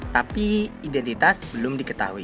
tapi identitas belum diketahui